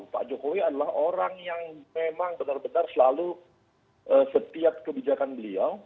pak jokowi adalah orang yang memang benar benar selalu setiap kebijakan beliau